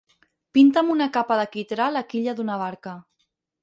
Pinta amb una capa de quitrà la quilla d'una barca.